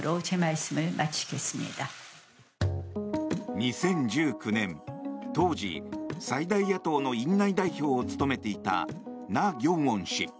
２０１９年当時、最大野党の院内代表を務めていたナ・ギョンウォン氏。